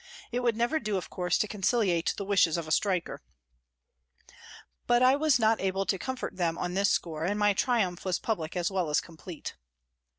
It would never do, of course, to conciliate the wishes of a striker ! But I was not able to comfort them on this score, and my triumph was public as well as complete.